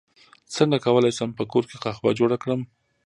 څنګه کولی شم په کور کې قهوه جوړه کړم